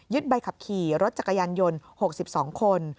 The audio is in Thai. ใบขับขี่รถจักรยานยนต์๖๒คน